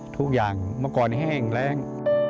ทุกอย่างเมื่อก่อนแห้งแรง